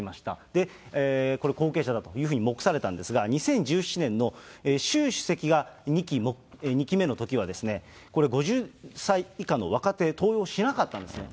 で、これ、後継者だというふうに目されたんですが、２０１７年の習主席が２期目のときは、５０歳以下の若手、登用しなかったんですね。